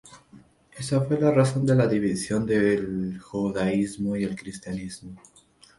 Esa fue la razón de la división del judaísmo y el cristianismo.